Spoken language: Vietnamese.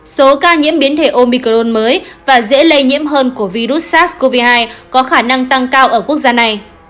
số ca nhiễm biến thể omicron mới và dễ lây nhiễm hơn của virus sars cov hai có khả năng tăng cao ở quốc gia này